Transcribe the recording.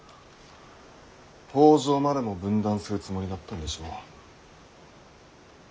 北条までも分断するつもりだったんでしょう。